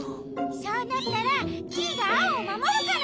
そうなったらキイがアオをまもるから！